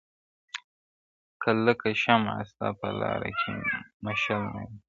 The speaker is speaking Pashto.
• که لکه شمع ستا په لاره کي مشل نه یمه -